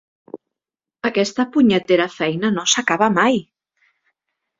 Aquesta punyetera feina no s'acaba mai!